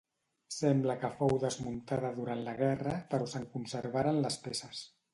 Sembla que fou desmuntada durant la guerra però se'n conservaren les peces.